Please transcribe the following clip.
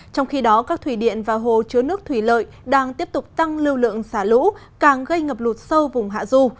trong khi đó các thủy điện và hồ chứa nước thủy lợi đang tiếp tục tăng lưu lượng xả lũ càng gây ngập lụt sâu vùng hạ du